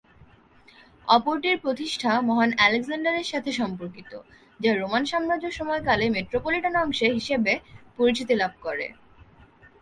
অপরটির প্রতিষ্ঠা মহান আলেকজান্ডারের সাথে সম্পর্কিত, যা রোমান সাম্রাজ্য সময়কালে মেট্রোপলিটন অংশে হিসেবে পরিচিতি লাভ করে।